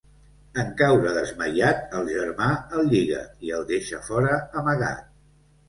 En caure desmaiat, el germà el lliga i el deixa fora amagat.